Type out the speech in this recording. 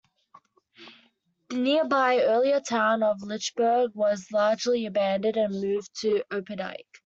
The nearby, earlier town of Lynchburg was largely abandoned and moved to Opdyke.